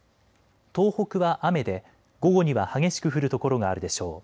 東北は雨で午後には激しく降る所があるでしょう。